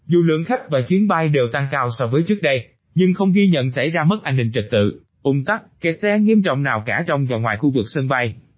dù lượng khách và chuyến bay đều tăng cao so với trước đây nhưng không ghi nhận xảy ra mất an ninh trật tự ung tắc kẹt xe nghiêm trọng nào cả trong và ngoài khu vực sân bay